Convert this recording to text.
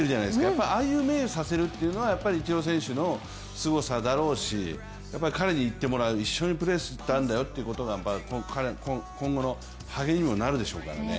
やっぱりああいう目をさせるっていうのがイチロー選手のすごさだろうし彼に言ってもらう、一緒にプレーしたんだよということを彼らの今後の励みにもなるでしょうからね。